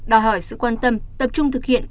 đòi hỏi sự quan tâm tập trung thực hiện